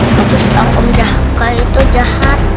harus tahu om jaka itu jahat